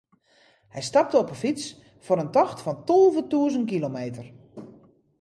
Hy stapte op de fyts foar in tocht fan tolve tûzen kilometer.